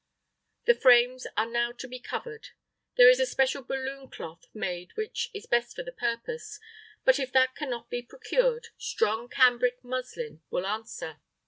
The frames are now to be covered. There is a special balloon cloth made which is best for the purpose, but if that cannot be procured, strong cambric muslin will answer.